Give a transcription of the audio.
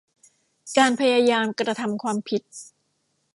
การพยายามกระทำความผิด